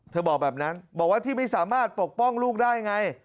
บอกแบบนั้นบอกว่าที่ไม่สามารถปกป้องลูกได้ไง